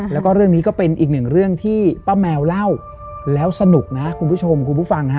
แล้วก็เรื่องนี้ก็เป็นอีกหนึ่งเรื่องที่ป้าแมวเล่าแล้วสนุกนะคุณผู้ชมคุณผู้ฟังฮะ